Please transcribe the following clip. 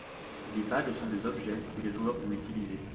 Les badges sont des objets que les joueurs peuvent utiliser.